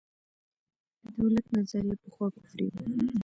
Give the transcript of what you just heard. د دولت نظریه پخوا کفري وه.